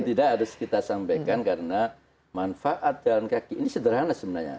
tapi kan paling tidak harus kita sampaikan karena manfaat jalan kaki ini sederhana sebenarnya